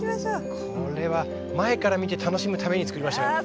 これは前から見て楽しむために作りましたから。